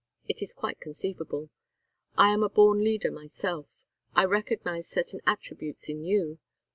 It is quite conceivable. I am a born leader myself. I recognize certain attributes in you.